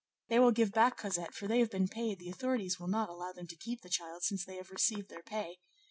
they will give back Cosette, for they have been paid; the authorities will not allow them to keep the child since they have received their pay.